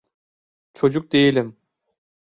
Çocuk değilim…